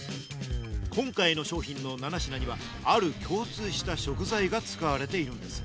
今回の商品の７品にはある共通した食材が使われているんです。